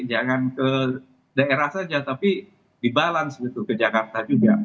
jangan ke daerah saja tapi dibalance ke jakarta juga